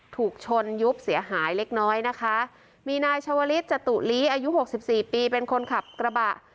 ถูกชนยุบเสียหายเล็กน้อยนะคะมีนายชาวลิศจตุลีอายุหกสิบสี่ปีเป็นคนขับกระบะ